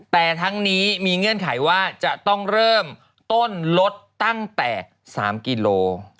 แต่ทั้งนี้มีเงื่อนไขว่าจะต้องเริ่มต้นลดตั้งแต่๓กิโล